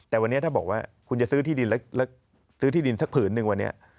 แต่วันนี้ถ้าบอกว่าคุณจะซื้อที่ดินแล้วซื้อที่ดินสักผืนหนึ่งวันนี้